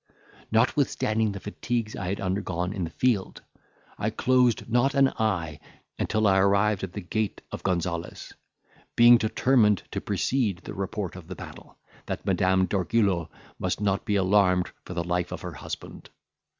Notwithstanding the fatigues I had undergone in the field, I closed not an eye until I arrived at the gate of Gonzales, being determined to precede the report of the battle, that Madame d'Orgullo might not be alarmed for the life of her husband.